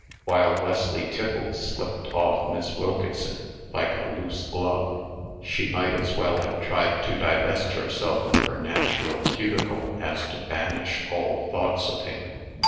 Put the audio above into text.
While Wesley Tiffles slipped off Miss Wilkeson like a loose glove, she might as well have tried to divest herself of her natural cuticle as to banish all thoughts of him.